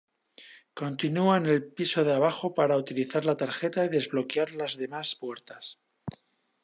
Continua al piso de abajo para utilizar la tarjeta y desbloquear las demás puertas.